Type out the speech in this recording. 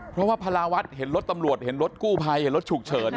เพราะว่าพาราวัฒน์เห็นรถตำรวจเห็นรถคู่ไพรถูกเฉิน